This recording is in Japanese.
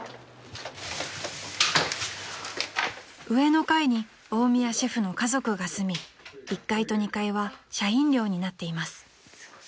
［上の階に大宮シェフの家族が住み１階と２階は社員寮になっています］